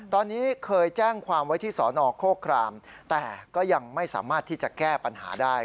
ตอนนี้เคยแจ้งความไว้ที่สนโคครามแต่ก็ยังไม่สามารถที่จะแก้ปัญหาได้